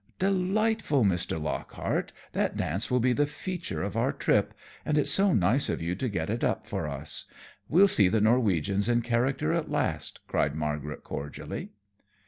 "Delightful! Mr. Lockhart, that dance will be the feature of our trip, and it's so nice of you to get it up for us. We'll see the Norwegians in character at last," cried Margaret, cordially.